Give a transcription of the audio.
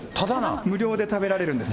無料で食べられるんです。